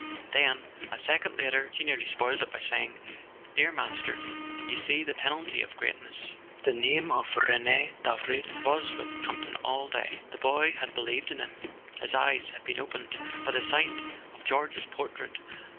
And then, a second later, she nearly spoiled it by saying: "Dear Master—you see the penalty of greatness!" The name of Rene Davril was with Campton all day. The boy had believed in him—his eyes had been opened by the sight of George's portrait!